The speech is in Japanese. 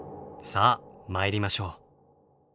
さあ参りましょう。